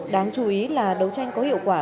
đáng chú ý là đấu tranh có hiệu quả